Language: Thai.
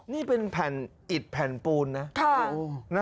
นี่เป็นแผ่นอิดแผ่นปูนนะ